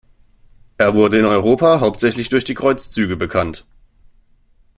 Er wurde in Europa hauptsächlich durch die Kreuzzüge bekannt.